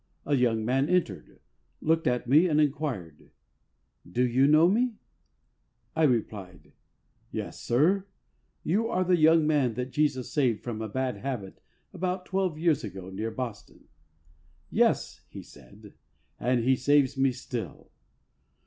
A young man entered, looked at me and inquired, " Do you know me ?" I replied, " Yes, sir ; you are the young man that Jesus saved from a bad habit about twelve years ago, near Boston." "Yes," said he, "and He saves me still."